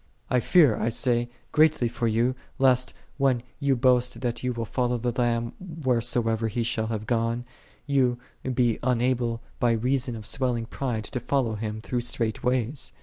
39. I fear, I say, greatly for thee, lest, when thou boastest that thou wilt follow the Lamb wheresoever He shall have gone, thou lie unable by reason of swelling pride to fol low Him through strait ways.